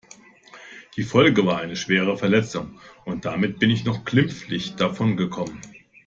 Die Folge war eine schwere Verletzung und damit bin ich noch glimpflich davon gekommen.